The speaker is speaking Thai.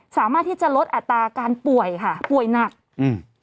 สามารถที่จะลดอัตราการป่วยค่ะป่วยหนักอืม